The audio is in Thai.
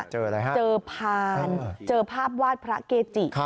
เจออะไรฮะเจอพานเจอภาพวาดพระเกจิ